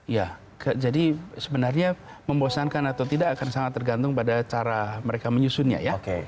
ya jadi sebenarnya membosankan atau tidak akan sangat tergantung pada cara mereka menyusunnya ya